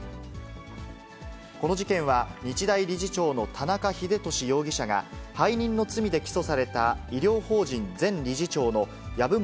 この事件は、日大理事長の田中英壽容疑者が、背任の罪で起訴された医療法人前理事長の籔本